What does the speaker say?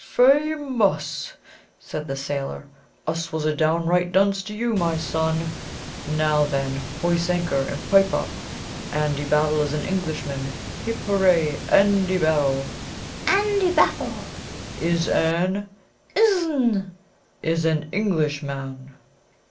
"Fam_ous_!" said the sailor. "Us was a downright dunce to you, my son. Now, then, hoise anchor, and pipe up! Andy Battle is an Englishman; hip, hooray! Andy Battle " "'Andy Baffle '" "'Is an '" "'Izzn '" "'Is an Englishman.'"